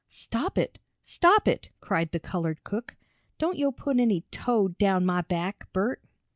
"Stop it! Stop it!" cried the colored cook. "Don't yo' put any toad down mah back, Bert!"